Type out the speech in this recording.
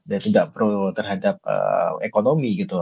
dan tidak pro terhadap ekonomi gitu